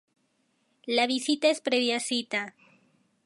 La visita es previa cita.